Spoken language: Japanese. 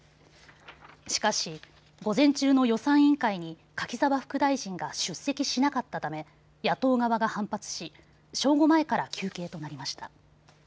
しかし午前中の予算委員会に柿沢副大臣が出席しなかったため野党側が反発し正午前から休憩となりました。